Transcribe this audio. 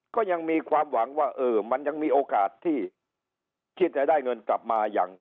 ก็ยังมีความหวังว่าเออมันยังมีโอกาสที่คิดจะได้เงินกลับมาอย่าง